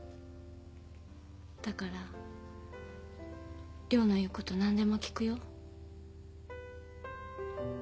だから涼の言うこと何でもきくよ。